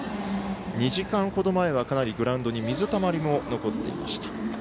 ２時間ほど前はかなりグラウンドに水たまりも残っていました。